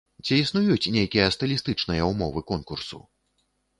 Ці існуюць нейкія стылістычныя ўмовы конкурсу?